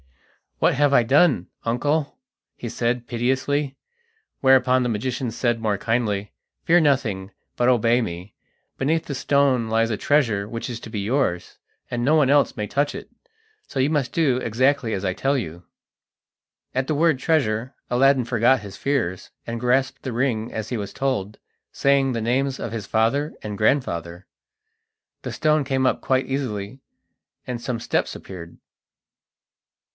"What have I done, uncle?" he said piteously; whereupon the magician said more kindly: "Fear nothing, but obey me. Beneath this stone lies a treasure which is to be yours, and no one else may touch it, so you must do exactly as I tell you." At the word treasure, Aladdin forgot his fears, and grasped the ring as he was told, saying the names of his father and grandfather. The stone came up quite easily and some steps appeared.